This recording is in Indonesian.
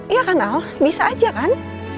iya kan al bisa aja kan